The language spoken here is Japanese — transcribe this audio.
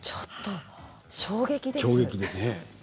衝撃ですね。